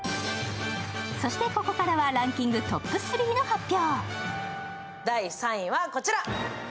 そして、ここからはランキングトップ３の発表。